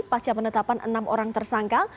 pasca penetapan enam orang tersangka